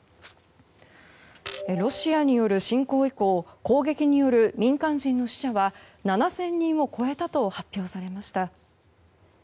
ロシアによる侵攻以降攻撃による民間人の死者は７０００人を超えたと発表されました。